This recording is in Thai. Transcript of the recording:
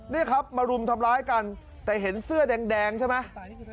นี่ครับมารุมทำร้ายกันแต่เห็นเสื้อแดงใช่ไหม